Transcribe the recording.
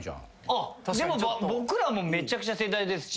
あっでも僕らもめちゃくちゃ世代ですし。